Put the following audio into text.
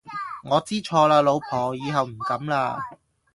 我知錯喇老婆，以後唔敢喇